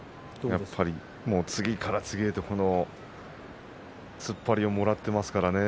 やっぱり次から次へと突っ張りをもらってますからね